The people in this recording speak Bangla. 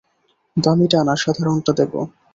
দামিটা না সাধারণটা দেবো?